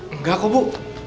enggak kok bu